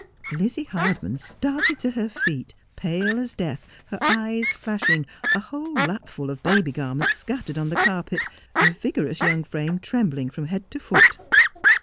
301 Lizzie Hardman started to her feet, pale as death, her eyes flashing, a whole lapful of baby garments scattered on the carpet, her vigorous young frame trembling from head to foot.